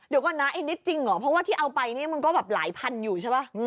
เดี๋ยวก่อนนะไอ้นิดจริงเหรอเพราะว่าที่เอาไปเนี่ยมันก็แบบหลายพันอยู่ใช่ป่ะ